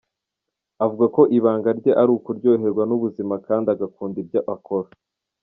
Avuga ko ibanga rye ari ukuryoherwa n’ubuzima kandi agakunda ibyo akora.